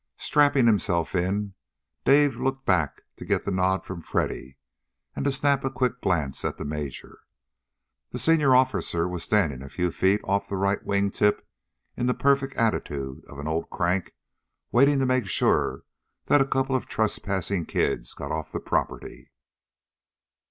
Strapping himself in, Dave looked back to get the nod from Freddy, and to snap a quick glance at the major. The senior officer was standing a few feet off the right wing tip in the perfect attitude of an old crank waiting to make sure that a couple of trespassing kids got off the property.